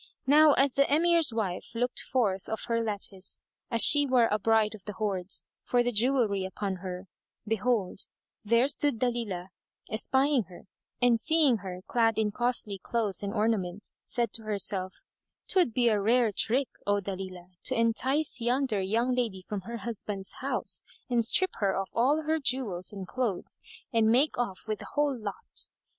Now as the Emir's wife looked forth of her lattice, as she were a Bride of the Hoards[FN#187] for the jewellery upon her, behold, there stood Dalilah espying her and seeing her clad in costly clothes and ornaments, said to herself, "'Twould be a rare trick, O Dalilah, to entice yonder young lady from her husband's house and strip her of all her jewels and clothes and make off with the whole lot."